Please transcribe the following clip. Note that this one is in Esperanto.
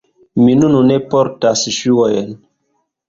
Mi nun ne portas ŝuojn